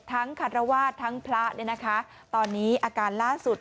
คารวาสทั้งพระเนี่ยนะคะตอนนี้อาการล่าสุด